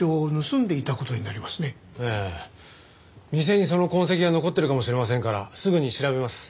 店にその痕跡が残ってるかもしれませんからすぐに調べます。